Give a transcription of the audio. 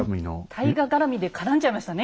大河絡みで絡んじゃいましたね